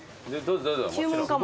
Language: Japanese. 注文かも。